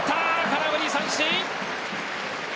空振り三振。